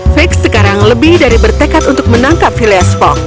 figgs sekarang lebih dari bertekad untuk menangkap filius fogg